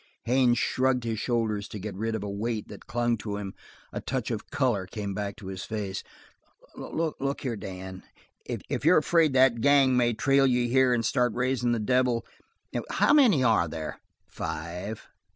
Haines shrugged his shoulders to get rid of a weight that clung to him; a touch of color came back to his face. "Look here, Dan. If you're afraid that gang may trail you here and start raising the devil how many are there?" "Five."